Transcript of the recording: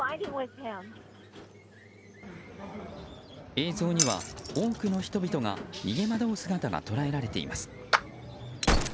映像には、多くの人々が逃げ惑う姿が捉えられています。